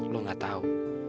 lu nggak tahu